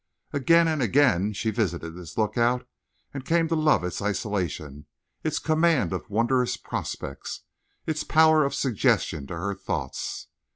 Again and again she visited this lookout and came to love its isolation, its command of wondrous prospects, its power of suggestion to her thoughts.